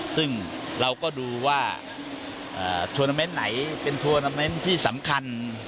ซึ่งเราก็ดูว่าทวนาเมนต์ไหนเป็นทัวร์นาเมนต์ที่สำคัญ